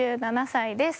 ２７歳です。